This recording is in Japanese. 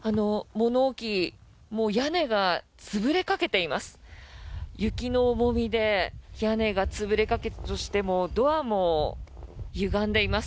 物置屋根が潰れかけています。